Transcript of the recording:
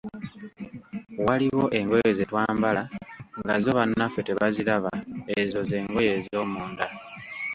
Waliwo engoye ze twambala nga zo bannaffe tebaziraba, ezo z'engoye ez'omunda.